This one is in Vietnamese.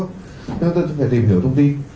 chúng tôi phải tìm hiểu thông tin